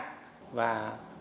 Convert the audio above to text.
và tư duy phát triển